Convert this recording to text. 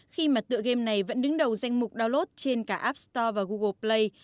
khi mà tựa game này vẫn đứng đầu danh mục download trên cả app store và google play